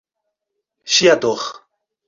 Chiador